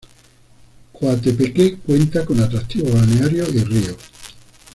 Coatepeque cuenta con atractivos balnearios y ríos.